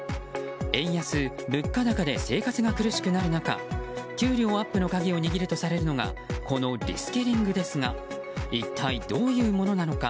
円安、物価高で生活が苦しくなる中給料アップの鍵を握るとされるのがこのリスキリングですが一体どういうものなのか。